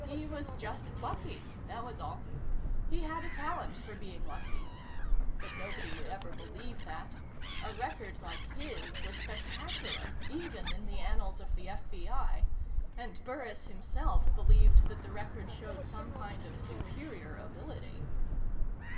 He was just lucky, that was all. He had a talent for being lucky. But nobody would ever believe that. A record like his was spectacular, even in the annals of the FBI, and Burris himself believed that the record showed some kind of superior ability.